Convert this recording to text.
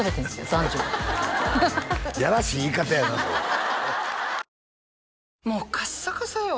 男女がいやらしい言い方やなもうカッサカサよ